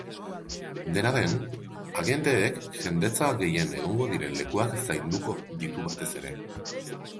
Dena den, agenteek jendetza gehien egongo diren lekuak zainduko ditu batez ere.